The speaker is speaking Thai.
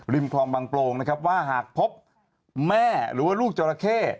ริมคลองบางโปรงว่าหากพบแม่หรือลูกจราเข้